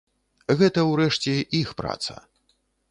Гэта, урэшце, іх праца.